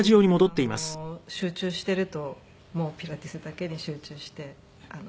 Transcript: すごく集中しているとピラティスだけに集中して。